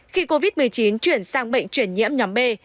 khi covid một mươi chín chuyển sang bệnh chuyển nhiễm nhóm b